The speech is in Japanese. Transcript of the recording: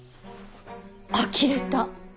あきれた。